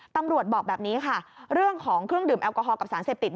บอกแบบนี้ค่ะเรื่องของเครื่องดื่มแอลกอฮอลกับสารเสพติด